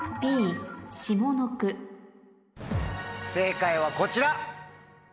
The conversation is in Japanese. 正解はこちら！